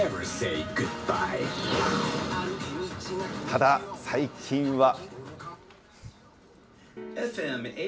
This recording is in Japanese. ただ、最近は。